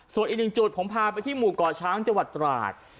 ส่วนอีกหนึ่งจุดผมพาไปที่หมู่ก่อช้างจังหวัดตราด